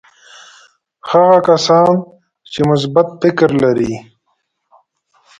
هغه کسان چې مثبت فکر لري.